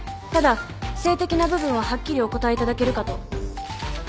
ただ性的な部分ははっきりお答えいただけるかと。